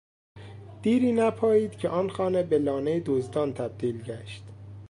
دیری نپایید که آن خانه به لانه دزدان تبدیل گشت.